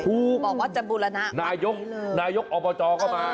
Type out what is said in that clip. บอกว่าจะบูรณะนายกนายกอบจก็มา